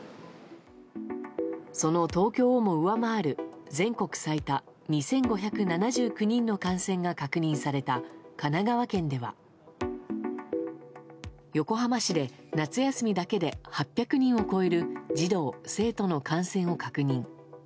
その東京をも上回る全国最多２５７９人の感染が確認された神奈川県では横浜市で夏休みだけで８００人を超える児童・生徒の感染を確認。